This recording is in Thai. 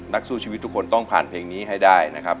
นักสู้ชีวิตทุกคนต้องผ่านเพลงนี้ให้ได้นะครับ